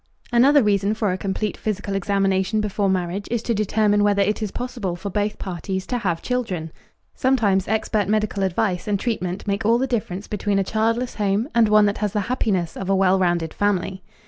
Another reason for a complete physical examination before marriage is to determine whether it is possible for both parties to have children. Sometimes expert medical advice and treatment make all the difference between a childless home and one that has the happiness of a well rounded family.